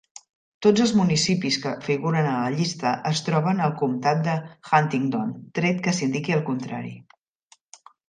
Tots els municipis que figuren a la llista es troben al comtat de Huntingdon, tret que s'indiqui el contrari.